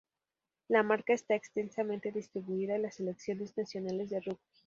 La marca está extensamente distribuida en las selecciones nacionales de rugby.